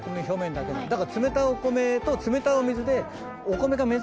だから冷たいお米と冷たいお水で。